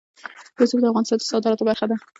رسوب د افغانستان د صادراتو برخه ده.